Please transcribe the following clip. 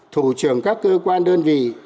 thủ trưởng các cơ quan đơn vị